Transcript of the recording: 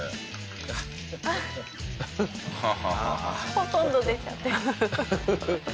ほとんど出ちゃってる。